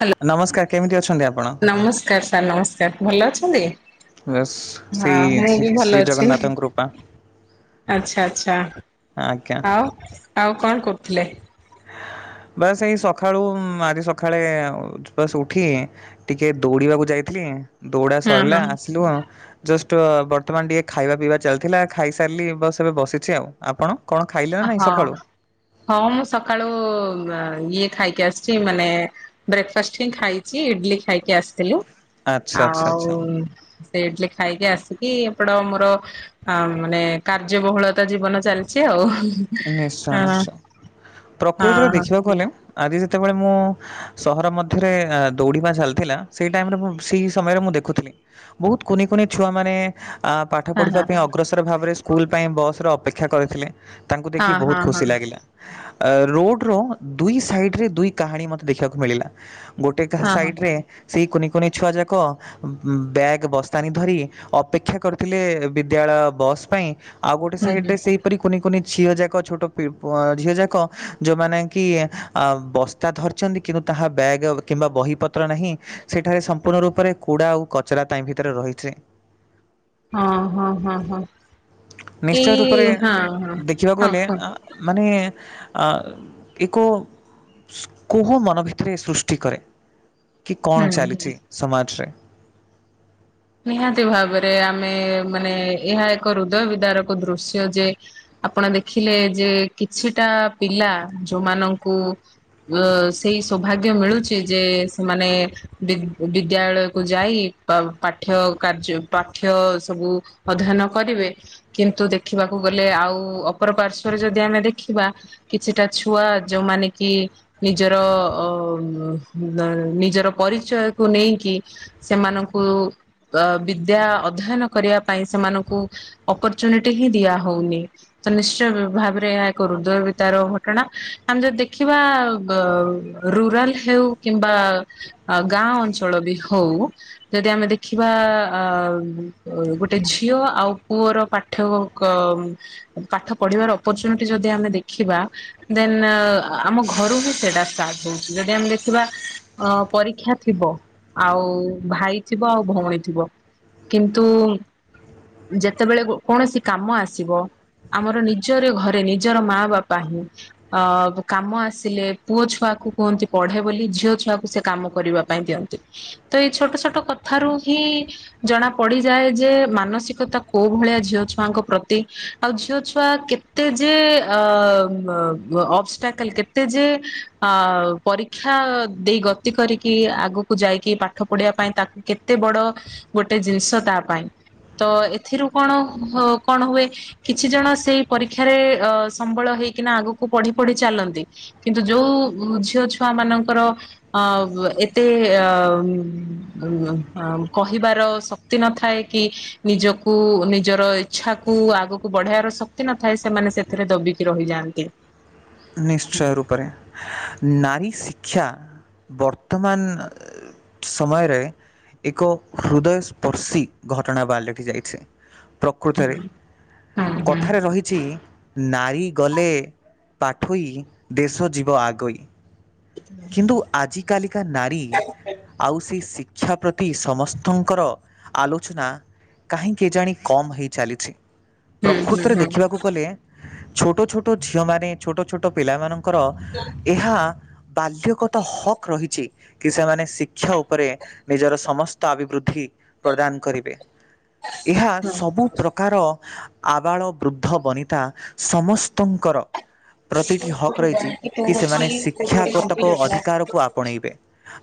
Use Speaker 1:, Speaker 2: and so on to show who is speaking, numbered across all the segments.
Speaker 1: Hello
Speaker 2: ନମସ୍କାର କେମିତି ଅଛନ୍ତି ଆପଣ?
Speaker 1: ନମସ୍କାର ସାର୍ ନମସ୍କାର ଭଲ ଅଛନ୍ତି।
Speaker 2: ବାସ୍
Speaker 1: ହଁ
Speaker 2: ସେଇ
Speaker 1: ମୁଁ
Speaker 2: ଶ୍ରୀ
Speaker 1: ବି
Speaker 2: ଶ୍ରୀ ଜଗନ୍ନାଥଙ୍କ କୃପା।
Speaker 1: ଆଛା ଆଛା।
Speaker 2: ଆଜ୍ଞା।
Speaker 1: ଆଉ ଆଉ କଣ କରୁଥିଲେ?
Speaker 2: ବାସ୍ ଏଇ ସକାଳୁ ଆଜି ସକାଳେ ବାସ୍ ଉଠି ଟିକେ ଦୌଡିବାକୁ ଯାଇଥିଲି ଦୌଡା
Speaker 1: ହଁ
Speaker 2: ସରିଲା
Speaker 1: ହଁ।
Speaker 2: ଆସିଲୁ। ଜଷ୍ଟ ବର୍ତ୍ତମାନ ଟିକେ ଖାଇବା ପିଇବା ଚାଲିଥିଲା ଖାଇସାରିଲି ବାସ୍ ଏବେ ବସିଛି ଆଉ ଆପଣ? କଣ ଖାଇଲେ ନା ନାଇଁ
Speaker 1: ହଁ
Speaker 2: ସକାଳୁ?
Speaker 1: ହଁ ମୁଁ ସକାଳୁ ଇଏ ଖାଇକି ଆସିଛି ମାନେ ବ୍ରେକ୍ ଫାଷ୍ଟ ହିଁ ଖାଇଛି ଇଡଲି ଖାଇକି ଆସିଥିଲି
Speaker 2: ଆଚ୍ଛା ଆଚ୍ଛା
Speaker 1: ଆଉ।
Speaker 2: ଆଚ୍ଛା
Speaker 1: ସେ ଇଡଲି ଖାଇକି ଆସିକି ଏପଟେ ମୋର ଆ ମାନେ କାର୍ଯ୍ୟବହୁଳତା ଜୀବନ ଚାଲିଛି ଆଉ।
Speaker 2: ନିଶ୍ଚୟ
Speaker 1: ହଁ
Speaker 2: ନିଶ୍ଚୟ ପ୍ରକୃତରେ
Speaker 1: ହଁ
Speaker 2: ଦେଖିବାକୁ ଗଲେ ଆଜି ଯେତେବେଳେ ମୁଁ ସହର ମଧ୍ୟରେ ଦୌଡିବା ଚାଲିଥିଲା ସେଇ ଟାଇମ୍ ରେ ମୁ ସେଇ ସମୟରେ ମୁଁ ଦେଖୁଥିଲି। ବହୁତ କୁନି କୁନି ଛୁଆ ମାନେ ଆ ପାଠ
Speaker 1: ହଁ
Speaker 2: ପଢ଼ିବା ପାଇଁ ଅଗ୍ରସର ଭାବରେ ସ୍କୁଲ ପାଇଁ ବସ୍ ରେ ଅପେକ୍ଷା କରିଥିଲେ। ତାଙ୍କୁ
Speaker 1: ହଁ
Speaker 2: ଦେଖି
Speaker 1: ହଁ
Speaker 2: ବହୁତ
Speaker 1: ହଁ ହଁ
Speaker 2: ଖୁସି ଲାଗିଲା। ରୋଡ ର ଦୁଇ ସାଇଡ୍ ରେ ଦୁଇ କାହାଣୀ ମତେ ଦେଖିବାକୁ ମିଳିଲା। ଗୋଟେ କାହା
Speaker 1: ହଁ ହଁ।
Speaker 2: ସାଇଡ୍ ରେ ସେଇ କୁନି କୁନି ଛୁଆଯାକ ବ୍ୟାଗ ବସ୍ତାନି ଧରି ଅପେକ୍ଷା କରିଥିଲେ ବିଦ୍ୟାଳୟ ବସ୍ ପାଇଁ। ଆଉ ଗୋଟେ
Speaker 1: ହୁଁ
Speaker 2: ସାଇଡ୍
Speaker 1: ହୁଁ।
Speaker 2: ରେ ସେହିପରି କୁନି କନି ଝିଅ ଯାକ ଛୋଟ ପି ଝିଅ ଯାକ ଯୋଉମାନେ କି ଅ ବ ତା ଧରିଛନ୍ତି କିନ୍ତୁ ତାହା ବ୍ୟାଗ୍ କିମ୍ବା ବହିପତ୍ର ନାହିଁ। ସେଠାରେ ସମ୍ପୂର୍ଣ୍ଣ ରୂପରେ କୁଡା ଆଉ କଚରା ତା ହିଁ ଭିତରେ ରହିଥିବେ।
Speaker 1: ହଁ ହଁ ହଁ ହଁ
Speaker 2: ନିଶ୍ଚୟ ରୂପରେ
Speaker 1: ଏଇ ହଁ। ହଁ
Speaker 2: ଦେଖିବାକୁ
Speaker 1: ହଁ
Speaker 2: ଗଲେ
Speaker 1: କୁହ
Speaker 2: ମାନେ ୟାକୁ କୋହ ମନ ଭିତରେ ସୃଷ୍ଟି କରେ କି କଣ
Speaker 1: ହୁଁ ହୁଁ।
Speaker 2: ଚାଲିଛି ସମାଜ୍ ରେ।
Speaker 1: ନିହାତି ଭାବରେ ଆମେ ମାନେ ଏହା ଏକ ହୃଦୟ ବିଦାରକ ଦୃଶ୍ୟ ଯେ ଆପଣ ଦେଖିଲେ ଯେ କିଛିଟା ପିଲା ଯୋଉମାନଙ୍କୁ [inaudible] ସେଇ ସୌଭାଗ୍ୟ ମିଳୁଛି ଯେ ସେମାନେ ବି ବିଦ୍ୟାଳୟକୁ ଯାଇ ପା ପାଠ୍ୟ କାର୍ଯ୍ୟ ପାଠ୍ୟ ସବୁ ଅଧ୍ୟୟନ କରିବେ। କିନ୍ତୁ ଦେଖିବାକୁ ଗଲେ ଆଉ ଅପର ପାର୍ଶ୍ଵରେ ଯଦି ଆମେ ଦେଖିବା। କିଛିଟା ଛୁଆ ଯୋଉମାନେ କି ନିଜର ଅ ନିଜର ପରିଚୟକୁ ନେଇକି ସେମାନଙ୍କୁ ଅ ବିଦ୍ୟା ଅଧ୍ୟୟନ କରିବା ପାଇଁ ସେମାନଙ୍କୁ ଅପର୍ଚୁନିଟି ହିଁ ଦିଆ ହଉନି ତ ନିଶ୍ଚୟ ଭାବରେ ଏହା ଏକ ରୁଦ୍ରବିତାର ଘଟଣା ଆମେ ଯଦି ଦେଖିବା ରୁରାଲ ହଉ କିମ୍ବା ଗାଁ ଅଞ୍ଚଳ ବି ହଉ ଯଦି ଆମେ ଦେଖ ଥିବା ଅ ଗୋଟେ ଝିଅ ଆଉ ପୁଅର ପାଠ ପାଠ ପଢିବାର ଅପରଚୁନିଟି ଯଦି ଆମେ ଦେଖିବା ଦେନ ଆମ ଘରୁ ହ ସେଟା ଷ୍ଟାର୍ଟ ହଉଛି ଯଦି ଆମେ ଦେଖିବା ଅ ପରୀକ୍ଷା ଥିବ ଆଉ ଭାଇ ଯିବ ଆଉ ଭଉଣୀ ଥିବ କିନ୍ତୁ ଯେତେବେଳେ କୌଣସି କାମ ଆସିବ। ଆମର ନିଜରେ ଘରେ ନିଜର ମା ବାପା ହିଁ ଅ କାମ ଆସିଲେ ପୁଅ ଛୁଆକୁ କୁହନ୍ତି ପଢେ ବୋଲି ଝିଅ ଛୁଆକୁ ସେ କାମ କରିବାକୁ ପାଇଁ ଦିଅନ୍ତି ତ ଏଇ ଛୋଟ ଛୋଟ କଥାରୁ ହିଁ ଜଣା ପଡିଯାଏ ଯେ ମାନସିକତା କୋଉ ଭଳିଆ ଝିଅ ଛୁଆଙ୍କ ପ୍ରତି ଆଉ ଝିଅ ଛୁଆ କେତେ ଯେ କେତେ ଯେ ଅ ପରୀକ୍ଷା ଦେଇ ଗତି କରିକି ଆଗକୁ ଯାଇକି ପାଠ ପଢିବା ପାଇଁ ତାକୁ କେତେ ବଡ ଗୋଟେ ଜିନିଷ ତା ପାଇଁ ତ ଏଥିରୁ କଣ କଣ ହୁଏ। କିଛି ଜଣ ସେଇ ପରୀକ୍ଷାରେ ସମ୍ବଳ ହେଇକିନା ଆଗକୁ ପଢି ପଢି ଚାଲନ୍ତି। କିନ୍ତୁ ଯୋଉ ଝିଅ ଛୁଆ ମାନଙ୍କର ଅ ଏତେ ଉମ୍ ହଁ କହିବାର ଶକ୍ତି ନଥାଏ କି ନିଜକୁ ନିଜର ଇଚ୍ଛା କୁ ଆଗକୁ ବଢେଇବାର ଶକ୍ତି ନଥାଏ ସେମାନେ ସେ ଶେଷରେ ଦବିକି ରହିଯାଆନ୍ତି।
Speaker 2: ନିଶ୍ଚୟ ରୂପରେ ନାରୀ ଶିକ୍ଷା ବର୍ତ୍ତମାନ ସମୟରେ ଏକ ହୃଦୟ ସ୍ପର୍ଶୀ ଘଟଣା ବାଲଟି ଯାଇଛି।
Speaker 1: ହୁଁ ହୁଁ ହୁଁ ହୁଁ ହୁଁ
Speaker 2: କଥାରେ ରହିଛି ନାରୀ ଗଲେ ପାଠୋଇ ଦେଶ ଯିବ ଆଗେଇ। କିନ୍ତୁ ଆଜିକାଲିକା ନାରୀ ଆଉ ସେ ଶିକ୍ଷା ପ୍ରତି ସମସ୍ତଙ୍କର ଆଲୋଚନା କାହିଁକି କେଜାଣି କମ୍ ହୋଇ ଚାଲିଛି ପ୍ରକୃତରେ
Speaker 1: ହୁଁ
Speaker 2: ଦେଖିବାକୁ ଗଲେ। ଛୋଟ ଛୋଟ ଝିଅମାନେ ଛୋଟ ଛୋଟ ପିଲାମାନଙ୍କର ଏହା ବାଲ୍ୟଗତ ହକ୍ ରହିଛି। କି ସେମାନେ ଶିକ୍ଷା ଉପରେ ନିଜର ସମସ୍ତ ଅଭିବୃଦ୍ଧି ପ୍ରଦାନ କରିବେ। ଏହା ସବୁ ପ୍ରକାର ଆବାଳ ବୃଦ୍ଧ ବନିତା ସମସ୍ତଙ୍କର ପ୍ରତିଟି ହକ୍ ରହିଛି କି ସେମାନେ
Speaker 1: ହୁଁ
Speaker 2: ଶିକ୍ଷାଗତକ
Speaker 1: ହୁଁ।
Speaker 2: ଅଧିକାରକୁ। ଆପଣେଇବେ।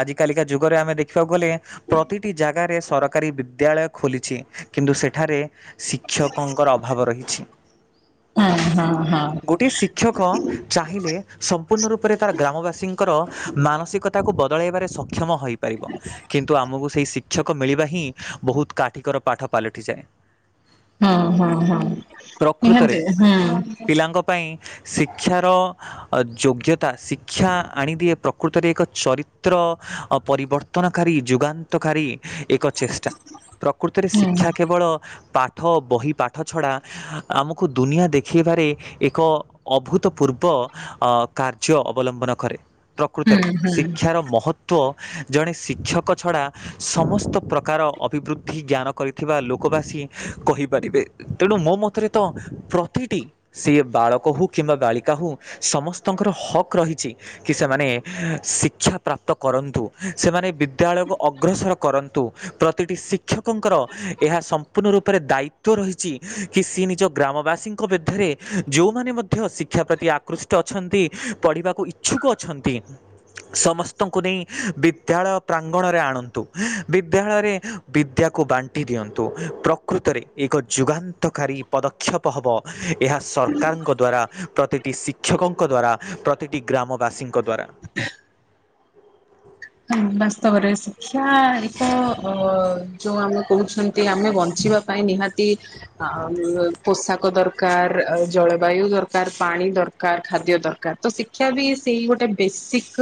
Speaker 2: ଆଜି କାଲିକା ଯୁଗରେ ଆମେ ଦେଖିବାକୁ ଗଲେ ପ୍ରତିଟି ଜାଗାରେ ସରକାର ସରକାରୀ ବିଦ୍ୟାଳୟ ଖୋଲିଛି କିନ୍ତୁ ସେଠାରେ ଶିକ୍ଷକଙ୍କର ଅଭାବ ରହିଛି।
Speaker 1: ହଁ ହଁ ହଁ
Speaker 2: ଗୋଟିଏ ଶିକ୍ଷକ ଶିକ୍ଷକ ଚାହିଁଲେ ସମ୍ପୂର୍ଣ୍ଣ ରୂପରେ ଗ୍ରାମବାସୀଙ୍କର ମାନସିକତାକୁ ବଦଳେଇବାରେ ସକ୍ଷମ ହେପାରିବ କିନ୍ତୁ ଆମକୁ ସେଇ ଶିକ୍ଷକ ମିଳିବା ହିଁ ବହୁତ କାଠିକର ପାଠ ପାଲଟିଯାଏ।
Speaker 1: ହୁଁ ହୁଁ ହୁଁ
Speaker 2: ପ୍ରକୃତରେ
Speaker 1: ନିହାନ୍ତି ହୁଁ
Speaker 2: ପିଲାଙ୍କ ପାଇଁ ଶିକ୍ଷାର ଯୋଗ୍ୟତା ତା ଶିକ୍ଷା ଆଣିଦିଏ ପ୍ରକୃତରେ ଏକ ଚରିତ୍ର ପରିବର୍ତ୍ତନକାରୀ ଯୁଗାନ୍ତକାରୀ ଏକ ଚେଷ୍ଟା ପ୍ରକୃତରେ
Speaker 1: ହୁଁ
Speaker 2: ଶିକ୍ଷା କେବଳ ପାଠ ବହି ପାଠ ଛଡ଼ା ଆମକୁ ଦୁନିଆ ଦେଖେଇବାରେ ଏକ ଅଭୂତପୂର୍ବ କାର୍ଯ୍ୟ ଅବଲମ୍ବନ କରେ
Speaker 1: ହୁଁ
Speaker 2: ପ୍ରକୃତରେ
Speaker 1: ହୁଁ
Speaker 2: ଶିକ୍ଷାର ମହତ୍ତ୍ବ ତ୍ଵ ଜଣେ ଶିକ୍ଷକ ଛଡ଼ା ସମସ୍ତ ପ୍ରକାର ଅଭିବୃଦ୍ଧି ଜ୍ଞାନ କରିଥିବା ଲୋକବାସୀ କହିପାରିବେ ତେଣୁ ମୋ ମତରେ ତ ପ୍ରତିଟି ସେ ବାଳକ ହଉ କିମ୍ବା ବାଳିକା ହଉ ସମସ୍ତଙ୍କର ହକ୍ ରହିଛି। କି ସେମାନେ ଶିକ୍ଷା ପ୍ରାପ୍ତ କରନ୍ତୁ ସେମାନେ ବିଦ୍ୟାଳୟକୁ ଅଗ୍ରସର କରନ୍ତୁ ପ୍ରତିଟି ଶିକ୍ଷକଙ୍କର ଏହା ସମ୍ପୂର୍ଣ୍ଣ ରୂପରେ ଦାୟିତ୍ବ ରହିଛି। କି ସେ ନିଜ ଗ୍ରାମବାସୀଙ୍କ ମଧ୍ୟରେ ଯୋଉମାନେ ମଧ୍ୟ ଶିକ୍ଷା ପ୍ରତି ଆକୃଷ୍ଟ ଅଛନ୍ତି। ପଢ଼ିବାକୁ ଇଚ୍ଛୁକ ଅଛନ୍ତି। ସମସ୍ତଙ୍କୁ ନେଇ ବିଦ୍ୟାଳୟ ପ୍ରାଙ୍ଗଣରେ ଆଣନ୍ତୁ। ବିଦ୍ୟାଳୟରେ ବିଦ୍ୟାକୁ ବାଣ୍ଟି ଦିଅନ୍ତୁ ପ୍ରକୃତରେ ଏକ ଯୁଗାନ୍ତକାରୀ ପଦକ୍ଷେପ ହବ ଏହା ସରକାରଙ୍କ ଦ୍ଵାରା ପ୍ରତିଟି ଶିକ୍ଷକଙ୍କ ଦ୍ଵାରା ପ୍ରତିଟି ଗ୍ରାମବାସୀଙ୍କ ଦ୍ଵାରା
Speaker 1: ହୁଁ ବାସ୍ତବରେ ଶିକ୍ଷା ଏକ ଯୋଉ ଆମେ କହୁଛନ୍ତି ଆମେ ବଞ୍ଚିବା। ପାଇଁ ନିହାତି ପୋଷାକ ଦରକାର ଦର ଜଳବାୟୁ ଦରକାର ପାଣି ଦରକାର ଖାଦ୍ୟ ଦରକାର ତ ଶିକ୍ଷା ବି ସେଇ ଗୋଟେ ବେସିକ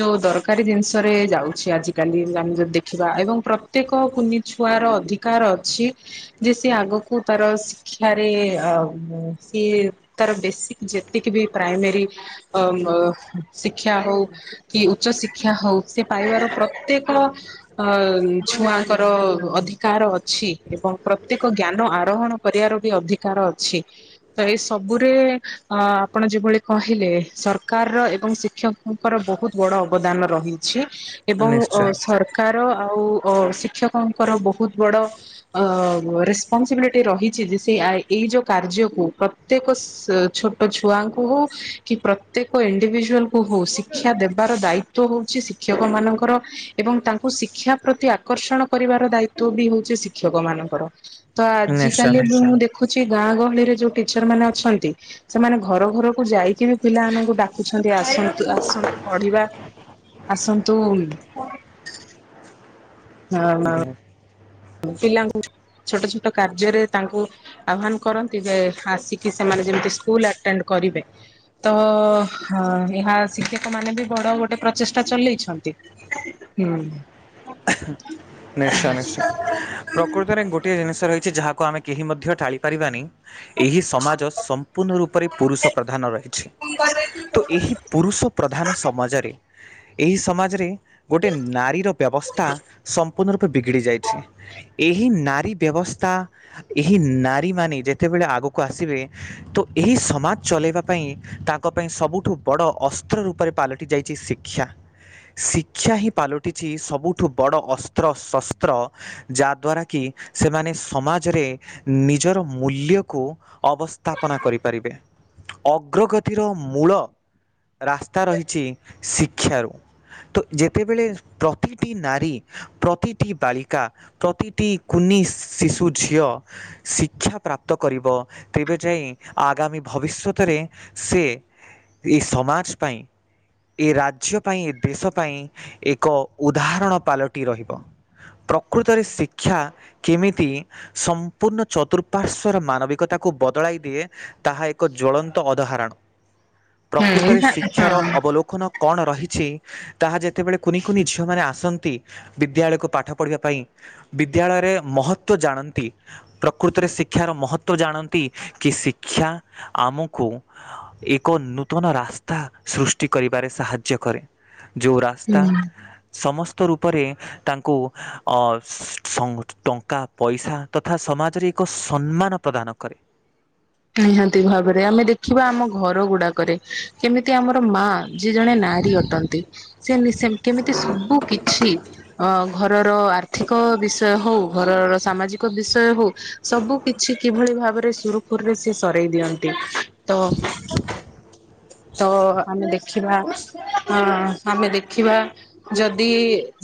Speaker 1: ଯୋଉ ଦରକାରୀ ଜିନିଷ ରେ ଯାଉଛି ଆଜିକାଲି ଆମେ ଯଦି ଦେଖିବା ଏବଂ ପ୍ରତ୍ୟେକ କୁନି ଛୁଆର ଅଧିକାର ଅଛି। ଯେ ସିଏ ଆଗକୁ ତାର ଶିକ୍ଷାରେ ସିଏ ତାର ବେସିକ ଯେତିକି ବି ପ୍ରାଇମେରୀ ଶିକ୍ଷା ହଉ କି ଉଚ୍ଚ ଶିକ୍ଷା ହଉ ସେ ପାଇବାର ପ୍ରତ୍ୟେକ ଅ ଛୁଆଙ୍କର ଅଧିକାର ଅଛି ଏବଂ ପ୍ରତ୍ୟେକ ଜ୍ଞାନ ଆରୋହଣ କରିବାର ବି ଅଧିକାର ଅଛି। ତ ଏଇ ସବୁରେ ଅ ଆପଣ ଯେଭଳି କହିଲେ ସରକାରର ଏବଂ ଶିକ୍ଷକ ଙ୍କର ବହୁତ ବଡ଼ ଅବଦାନ ରହିଛି ଏବଂ
Speaker 2: ନିଶ୍ଚୟ
Speaker 1: ସର ଙ୍କାର ଆଉ ଶିକ୍ଷକଙ୍କର ବହୁତ ବଡ଼ ଅ ରେସପନସିବିଲିଟି ରହିଛି ଯେ ସେ ଏଇ ଯୋଉ କାର୍ଯ୍ୟକୁ ପ୍ରତେକ ଛୋଟ ଛୁଆଙ୍କୁ ହଉ କି ପ୍ରତ୍ୟେକ ଇଣ୍ଡିଭିଜୁଆଲ ଓହୋ ଶିକ୍ଷା ଦେବାର ଦାୟିତଵ ହଉଛି ଶିକ୍ଷକ ମାନଙ୍କର ଏବଂ ତାଙ୍କୁ ଶିକ୍ଷା ପ୍ରତି ଆକର୍ଷଣ କରିବାର ଦାୟିତ୍ଵ ବି ହଉଛି ଶିକ୍ଷକ ମାନଙ୍କର ତ ଆଜି
Speaker 2: ନିଶ୍ଚୟ ନିଶ୍ଚୟ
Speaker 1: କାଲି ମୁଁ ଦେଖ
Speaker 2: ନିଶ୍ଚୟ
Speaker 1: ଦେଖିଛି ଗାଁ ଗହଳିରେଟିଚର ମାନ ଅଛନ୍ତି ସେମାନେ ଘର ଘରକୁ ଯାଇକି ପିଲାମାନଙ୍କୁ ଦେଖୁଛନ୍ତି ଆସନ୍ତୁ, ଆସୁନ୍ପୁ ପଢିବା ଆସନ୍ତୁ ହଁ ମା ପିଲାଙ୍କୁ ଛୋଟ ଛୋଟ କାର୍ଯ୍ୟରେ ତାଙ୍କୁ ଆହ୍ଵାନ କରନ୍ତି ଯେ ଆସିକି ସେମାନେ ଯେମିତି ସ୍କୁଲ ଆଟେଣ୍ଡ କରିବେ ତ ଏହା ଶିକ୍ଷକ ମାନେ ବି ବଡ ଗୋଟେ ପ୍ରଚେଷ୍ଟା ଚଲେଇଛନ୍ତି। ହୁଁ।
Speaker 2: ନିଶ୍ଚୟ ନିଶ୍ଚୟ ପ୍ରକୃତିରେ ଗୋଟିଏ ଜିନିଷ ରହିଛି ଯାହା କ ଆମେ କେହି ମଧ୍ୟ ଟାଳି ପାରିବାନି। ଏହି ସମାଜ ସମ୍ପୂର୍ଣ୍ଣ ରୂପରେ ପୁରୁଷ ପ୍ରଧାନ ରହିଛି। ତ ଏହି ପୁରୁଷ ପ୍ରଧାନ ସମାଜରେ ଏହି ସମାଜରେ ଗୋଟେ ନାରୀର ବ୍ୟବସ୍ଥା ସମ୍ପୂର୍ଣ୍ଣ ରୂପେ। ବିଗିଡ଼ି ଯାଇଛି ଏହି ନାରୀ ବ୍ୟବସ୍ଥା ଏହି ନାରୀମାନୋନେ ଯେତେବେଳେ ଆଗକୁ ଆସିବେ ତ ଏହି ସମାଜ ଚଲେଇବା ପାଇଁ ତାଙ୍କ ପାଇଁ ସବୁଠୁ ବଡ଼ ଅସ୍ତ୍ର ରୂପରେ ପାଲନ ଯାଇଛି ଶିକ୍ଷା ଶିକ୍ଷା ହିଁ ପାଲଟିଛି ସବୁଠ ଠୁ ବଡ଼ ଅସ୍ତ୍ର ଶସ୍ତ୍ର ଯାହାଦ୍୍ୱାରା କି ସେମାନେ ସମାଜରେ ନିଜର ମୂଲ୍ୟକୁ ଅବସ୍ଥାପନା କରିପାରିବେ। ଅଗ୍ରଗତିର ମୂଳ ରାସ୍ତା ରହିଛି ଶିକ୍ଷାରୁ ତ ଯେତେବେଳେ ପ୍ରତି ପ୍ରତିଟି ନାରୀ, ପ୍ରତିଟି ବାଳିକା, ପ୍ରତିଟି କୁନି ଶିଶୁ, ଝିଅ ଶିକ୍ଷା ପ୍ରାପ୍ତ କରିବ ତେବେ ଯାଇ ଆଗାମୀ ଭବିଷ୍ୟତରେ ସେ ଏଇ ସମାଜ ପାଇଁ ଏ ରାଜ୍ୟ ପାଇଁ ଏ ଦେଶ ପାଇଁ ଏକ ଉଦାହରଣ ପାଲଟି ରହିବ ପ୍ରକୃତରେ ଶିକ୍ଷା କେମିତି? ସମ୍ପୂର୍ଣ୍ଣ ଚତୁଃପାର୍ଶ୍ୱର ମାନବିକତାକୁ ବଦଳାଇ ଦିଏ। ତାହା ଏକ ଜ୍ୱଳନ୍ତ ଅଦାହରଣ ପ୍ରକୃତରେ
Speaker 1: ହୁଁ
Speaker 2: ଶିକ୍ଷାର
Speaker 1: ହଁ
Speaker 2: ଅବଲୋକନ କଣ ରହିଛି ତାହା ଯେତେବେଳେ କୁନି କୁନିଛି ମାନେ ଆସନ୍ତି ବିଦ୍ୟାଳୟକୁ ପାଠ ପଢ଼ିବା ପାଇଁ ବିଦ୍ୟାଳୟରେ ମହତ୍ଵ ଜାଣନ୍ତି। ପ୍ରକୃତରେ ଶିକ୍ଷାର ମହତ୍ତ୍ଵ ଜାଣନ୍ତି କି ଶିକ୍ଷା ଆମକୁ ଏକ ନୂତନ ରାସ୍ତା ସୃଷ୍ଟି କରିବାରେ ସାହାଯ୍ୟ କରେ ଯେଉଁ ରାସ୍ତା
Speaker 1: ହୁଁ।
Speaker 2: ସମସ୍ତ ରୂପରେ ତାଙ୍କୁ ଅ [unintelligible] ଟଙ୍କା ପଇସା ତଥା ସମାଜରେ ଏକ ସମ୍ମାନ ପ୍ରଦାନ କରେ।
Speaker 1: ନିହାତି ଭାବରେ ଆମେ ଦେଖିବା ଆମ ଘର ଗୁଡାକରେ କେମିତି ଆମର ମା ଯିଏ ଜଣେ ନାରୀ ଅଟନ୍ତି। ସେ [unintelligible] କେମିତି ସବୁ କିଛି ଅ ଘରର ଆର୍ଥିକ ବିଷୟ ହଉ ଘରର ସାମାଜିକ ବିଷୟ ହଉ ସବୁ କିଛି କିଭଳି ଭାବରେ ସୁରୁଖ ପୁରରେ ସେ ସରେଇ ଦିଅନ୍ତି ତ ତ ଆମେ ଦେଖିବା ଅ ଆମେ ଦେଖିବା ଯଦି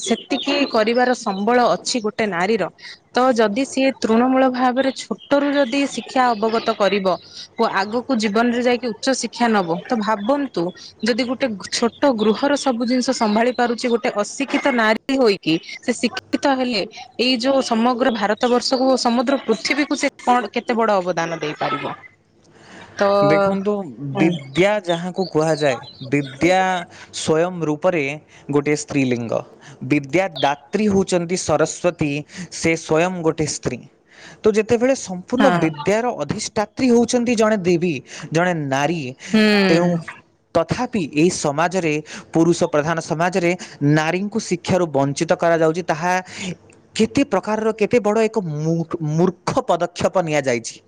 Speaker 1: ସେତିକି କରିବାର ସମ୍ବଳ ଅଛି ଗୋଟେ ନାରୀର ତ ଯଦି ସିଏ ତୃଣମୂଳ ଭାବରେ ଛୋଟରୁ ଯଦି ଶିକ୍ଷା ଅବଗତ କରିବ ଆଗକୁ ଜୀବନରେ ଯାଇକି ଉଚ୍ଚ ଶିକ୍ଷା ନବ ତ ଭାବନ୍ତୁ ଯଦି ଗୋଟେ ଛୋଟ ଗୃହର ସବୁ ଜିନିଷ ସମ୍ଭାଳି ପାରୁଛି ଗୋଟେ ଅଶିକ୍ଷିତ ନାରୀ ହୋଇକି ସେ ଶିକ୍ଷିତ ହେଲେ ଏଇ ଯୋଉ ସମଗ୍ର ଭାରତ ବର୍ଷକୁ ସମୁଦ୍ର ପୃଥିବୀକୁ ସେ କ କେତେ ବଡ ଅବ ଦାନ ଦେଇପାରିବ। ତ
Speaker 2: ଦେଖନ୍ତୁ
Speaker 1: ହଁ
Speaker 2: ବିଦ୍ୟା ଯାହାକୁ କୁହାଯାଏ ବିଦ୍ୟା ସ୍ଵୟଂ ରୂପରେ ଗୋଟିଏ ସ୍ତ୍ରୀଲିଙ୍ଗ। ବିଦ୍ୟା ଦାତ୍ରୀ ହଉଛନ୍ତି ସରସ୍ଵତୀ ସେ ସ୍ଵୟଂ ଗୋଟେ ସ୍ତ୍ରୀ। ତ ଯେତେବେଳେ ସ ପୂର୍ଣ୍ଣ
Speaker 1: ହଁ।
Speaker 2: ବିଦ୍ୟାର ଅଧିଷ୍ଠାତ୍ରୀ ହେଉଛନ୍ତି ଜଣେ ଦେବୀ ଜଣେ ନାରୀ ତେଣୁ
Speaker 1: ହୁଁ।
Speaker 2: ତଥାପି ଏହି ସମାଜରେ ପୁରୁଷ ପ୍ରଧାନ ସମାଜରେ ନାରୀଙ୍କୁ ଶିକ୍ଷାରୁ ବଞ୍ଚିତ କରାଯାଉଛି ତାହା କେତେ ପ୍ରକାରର କେତେ ବଡ଼ ଏକ ମୂଖ୍ ମୂର୍ଖ ପଦକ୍ଷେପ ନିଆଯାଇଛି।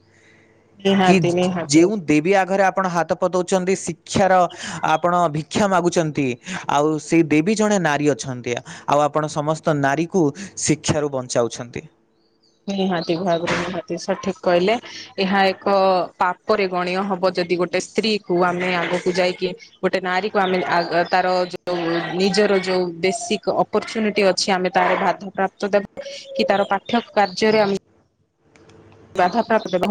Speaker 2: କି
Speaker 1: ନିହାତି ନିହାତି।
Speaker 2: ଯେଉଁ ଦେବୀ ଆଗରେ ଆପଣ ହାତ ପତଉଛନ୍ତି ଶିକ୍ଷାର ଆପଣ ଭି କ୍ଷା ମାଗୁଛନ୍ତି ଆଉ ସେଇ ଦେବୀ ଜଣେ ନାରୀ ଅଛନ୍ତି। ଆଉ ଆପଣ ସମସ୍ତ ନାରୀକୁ ଶିକ୍ଷାରୁ ବଞ୍ଚାଉଛନ୍ତି।
Speaker 1: ନିହାତି ବାହାଘରୁ ନିହାତି ସ ଠିକ କହିଲେ। ଏହା ଏକ ପାପରେ ଗଣୀୟ ହବ ଯଦି ଗୋଟେ ସ୍ତ୍ରୀ କୁ ଆମେ ଆଗକୁ ଯାଇକି ଗୋଟେ ନାରୀକୁ ଆମେ [unintelligible] ତାର ଯୋଉ ନିଜର ଯୋଉ ବେସିକ୍ ଅପରଚୁନିଟି ଅଛି ଆମେ ତାର ବାଧାପ୍ରାପ୍ତ ଦେବା କି ତାର ପାଠ୍ୟ କାର୍ଯ୍ୟରେ ଆ ବାଧାପ୍ରାପ୍ତ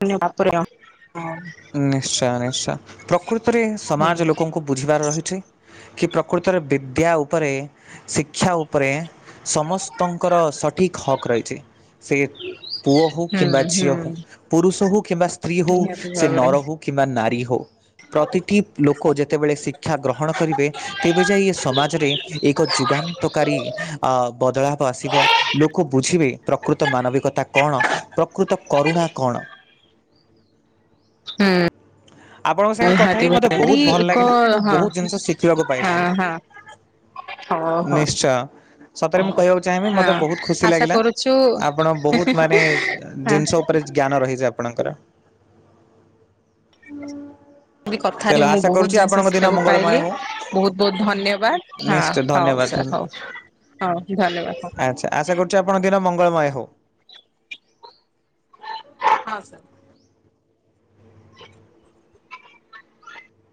Speaker 1: [unintelligible]
Speaker 2: ନିଶ୍ଚୟ ନିଶ୍ଚୟ ପ୍ରକୃତରେ
Speaker 1: ହୁଁ ନିହାତି
Speaker 2: ସମାଜ ଲୋକଙ୍କୁ ବୁଝିବାର ରହିଛି କି ପ୍ରକୃତରେ ବିଦ୍ୟା ଉପରେ ଶିକ୍ଷା ଉପରେ ସମସ୍ତଙ୍କର ସଠିକ ହକ୍ ରହିଛି। ସେ ପୁଅ ହଉ କିମ୍ବା ଝିଅ
Speaker 1: ଭାବରେ
Speaker 2: ହଉ ପୁରୁଷ ହଉ କିମ୍ବା ସ୍ତ୍ରୀ
Speaker 1: ହୁଁ
Speaker 2: ହଉ
Speaker 1: ନିହାତି
Speaker 2: ସେ
Speaker 1: ଭାବରେ
Speaker 2: ନର କିମ୍ବା ନାରୀ ହଉ ପ୍ରତିଟି ଲୋକ ଯେତେବେଳେ ଶିକ୍ଷା ଗ୍ରହଣ କରିବେ ତେବେ ଯାଇ ଏ ସମାଜରେ ଏକ ଯୁଗାନ ନ୍ତକାରୀ ବଦଳାବ ଆସିବ ଲୋକ ବୁଝିବେ ପ୍ରକୃତ ମାନବିକତା କଣ। ପ୍ରକୃତ କରୁଣା କଣ।
Speaker 1: ହୁଁ।
Speaker 2: ହ। ଆପଣଙ୍କ ସାଙ୍ଗରେ କଥା ହେଇ ମତେ ବହୁତ ଭଲ
Speaker 1: ଏକ
Speaker 2: ଲାଗିଲା ମୁଁ
Speaker 1: ହଁ
Speaker 2: ବହୁତ ଜିନିଷ ଶିଖିବାକୁ ପାଇଲି।
Speaker 1: ହଁ ହଁ ହଉ ହଉ।
Speaker 2: ନିଶ୍ଚୟ। ସତରେ ମୁଁ କହିବାକୁ ଚାହିଁବି ମତେ
Speaker 1: ହଁ
Speaker 2: ବହୁତ ଖୁସି
Speaker 1: ଆଶା
Speaker 2: ଲାଗିଲା।
Speaker 1: କରୁଛୁ
Speaker 2: ଆପଣ ବହୁତ ମାନେ ଜିନିଷ
Speaker 1: ହଁ
Speaker 2: ଉପରେ ଜ୍ଞାନ ରହିଛି ଆପଣଙ୍କର। ହୁଁ।
Speaker 1: ବି କଥାରେ ମୁଁ ବହୁତ ଜିନିଷ ଶିଖିବାକୁ
Speaker 2: ମଙ୍ଗଳମୟ
Speaker 1: ପାଇଲି
Speaker 2: ହଉ
Speaker 1: ବହୁତ ବହୁତ ଧନ୍ୟବାଦ ଆଁ।
Speaker 2: ନିଶ୍ଚୟ
Speaker 1: ହଉ
Speaker 2: ଧନ୍ୟବାଦ
Speaker 1: ସାର୍
Speaker 2: ଧନ୍ୟବାଦ।
Speaker 1: ହଉ ହଉ ଧନ୍ୟବାଦ ସା
Speaker 2: ଆଚ୍ଛା ଆଶା କରୁଛି ଆପଣଙ୍କ କିର ମଙ୍ଗଳମୟ ହେଉ।
Speaker 1: ହଁ ସାର୍। [inaudible]